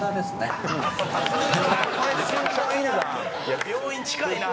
いや病院近いな。